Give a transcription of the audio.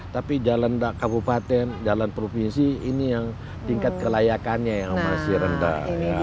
tapi jalan kabupaten jalan provinsi ini yang tingkat kelayakannya yang masih rendah